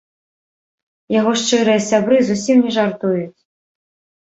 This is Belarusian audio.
Яго шчырыя сябры зусім не жартуюць.